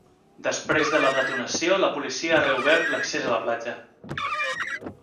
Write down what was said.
Després de la detonació, la policia ha reobert l’accés a la platja.